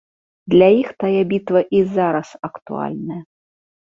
Для іх тая бітва і зараз актуальная.